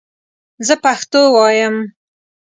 زه پښتو وایم